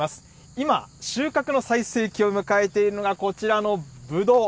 今、収穫の最盛期を迎えているのがこちらのぶどう。